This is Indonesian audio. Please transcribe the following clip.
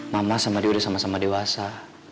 mama sama dia udah sama sama dewasa